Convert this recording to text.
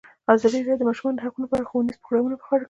ازادي راډیو د د ماشومانو حقونه په اړه ښوونیز پروګرامونه خپاره کړي.